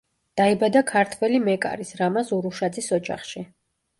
დაიბადა ქართველი მეკარის, რამაზ ურუშაძის ოჯახში.